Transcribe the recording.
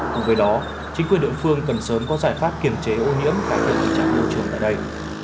cùng với đó chính quyền địa phương cần sớm có giải pháp kiểm chế ô nhiễm khai thác tình trạng lưu trường tại đây